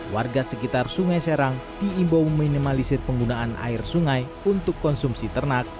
warga sekitar sungai serang diimbau meminimalisir penggunaan air sungai untuk konsumsi ternak